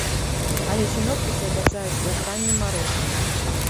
Але сіноптыкі абяцаюць вяртанне марозу.